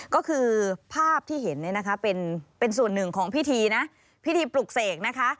ก็คือภาพที่เห็นเป็นส่วนหนึ่งของพิธีพิธีปลุกเสก